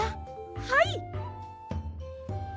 はい！